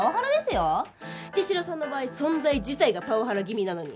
茅代さんの場合存在自体がパワハラ気味なのに。